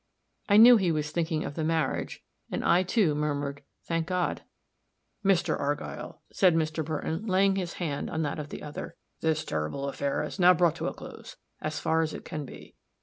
I knew he was thinking of the marriage, and I, too, murmured, "Thank God." "Mr. Argyll," said Mr. Burton, laying his hand on that of the other, "this terrible affair is now brought to a close, as far as it can be.